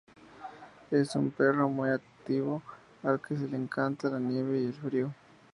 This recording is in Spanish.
Es un perro muy activo al que le encanta la nieve y el frío.